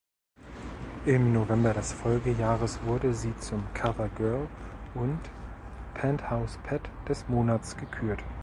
Im November des Folgejahres wurde sie zum Covergirl und Penthouse Pet des Monats gekürt.